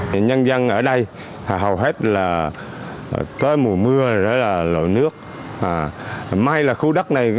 người dân ở đây hầu hết là tới mùa mưa